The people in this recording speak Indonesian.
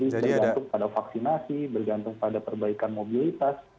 jadi bergantung pada vaksinasi bergantung pada perbaikan mobilitas